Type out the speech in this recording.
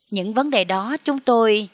những vấn đề đó chúng tôi